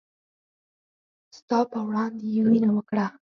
ستا په وړاندې يې وينه وکړه